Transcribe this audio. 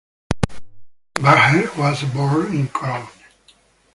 Eltzbacher was born in Cologne.